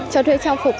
cho thuê trang phục